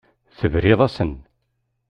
Tebriḍ-asen.